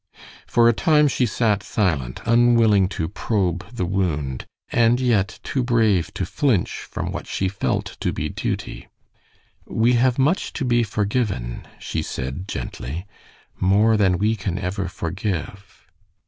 For a time she sat silent, unwilling to probe the wound, and yet too brave to flinch from what she felt to be duty. "We have much to be forgiven," she said, gently. "More than we can ever forgive."